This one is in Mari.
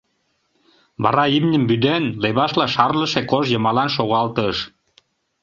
Вара имньым вӱден, левашла шарлыше кож йымалан шогалтыш.